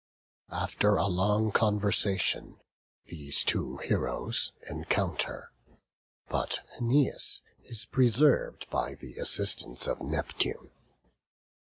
After a long conversation, these two heroes encounter; but Æneas is preserved by the assistance of Neptune.